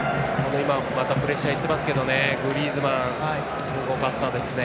またプレッシャーいってますけどグリーズマンすごかったですね。